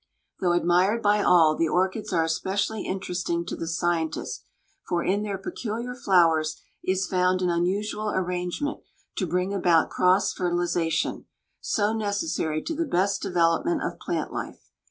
Though admired by all, the orchids are especially interesting to the scientist, for in their peculiar flowers is found an unusual arrangement to bring about cross fertilization, so necessary to the best development of plant life.